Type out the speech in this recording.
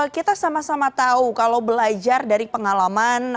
kita sama sama tahu kalau belajar dari pengalaman